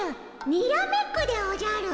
にらめっこでおじゃる！